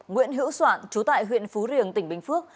nguyễn hữu soạn chú tại huyện phú riềng tỉnh bình phước